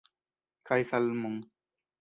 Kaj salmon!